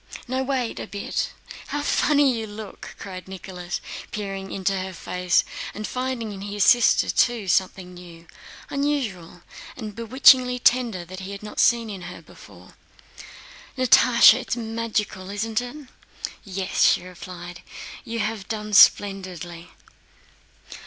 "No, wait a bit.... Oh, how funny you look!" cried Nicholas, peering into her face and finding in his sister too something new, unusual, and bewitchingly tender that he had not seen in her before. "Natásha, it's magical, isn't it?" "Yes," she replied. "You have done splendidly."